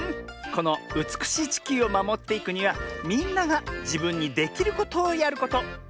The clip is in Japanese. このうつくしいちきゅうをまもっていくにはみんながじぶんにできることをやること。